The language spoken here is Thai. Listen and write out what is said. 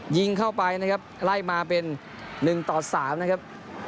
ยิงเข้าไปนะครับไล่มาเป็น๑ต่อ๓นะครับ